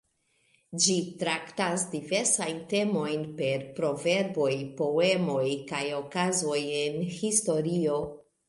Ĝi traktas diversajn temojn per proverboj, poemoj, kaj okazoj en historio.